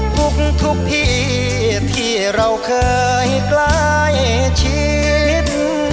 พุกทุกผิดที่เราเคยใกล้ชิด